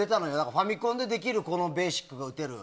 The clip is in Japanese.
ファミコンでできるベーシックが打てる。